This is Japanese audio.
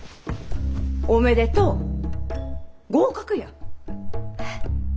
おめでとう合格や。